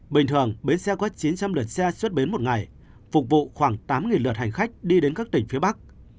bình thường bến xe có chín trăm linh lượt xe xuất bến một ngày phục vụ khoảng tám lượt hành khách đi đến các tỉnh phía bắc